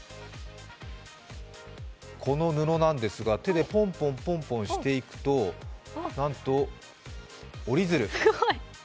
この布なんですが手でポンポンしていくと、なんと折り鶴。